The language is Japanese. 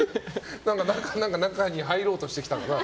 何か中に入ろうとしてきたな。